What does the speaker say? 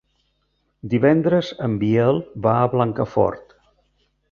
Divendres en Biel va a Blancafort.